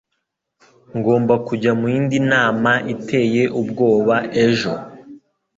Ngomba kujya muyindi nama iteye ubwoba ejo